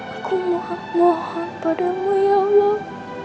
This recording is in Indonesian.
aku mohon mohon padamu ya allah